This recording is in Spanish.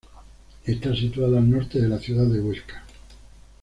Está situada al norte de la ciudad de Huesca.